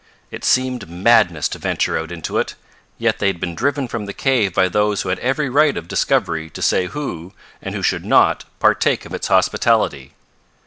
It seemed madness to venture out into it, yet they had been driven from the cave by those who had every right of discovery to say who, and who should not, partake of its hospitality.